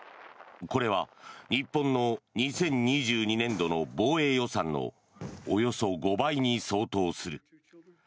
これは日本の２０２２年度の防衛予算のおよそ５倍に相当する。